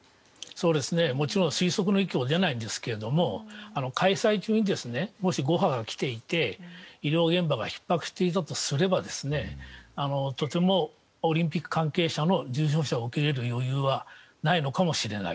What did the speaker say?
もちろん推測の域を出ないんですけども開催中に、もし５波が来ていて医療現場がひっ迫していたとすればとても、オリンピック関係者の重症者を受け入れる余裕はないのかもしれない。